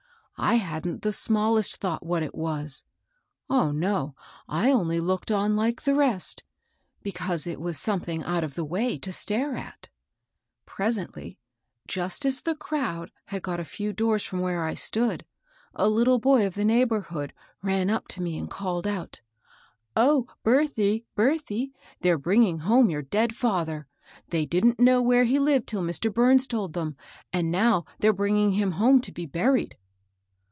I hadn't the smallest thought what it was, — oh, no ! I only looked on like the rest, because it was something out of the way to stare at. " Presently, just as the crowd had got a few 44 MABEL ROSS. doors from where I stood, a little boy of the neigh borhood ran up to me and called out, —"* O Berthy, Berthy 1 they're bringing home your dead father. They didn't know where he Uved till Mr. Bums told them ; and now they're bringing him home to be buried."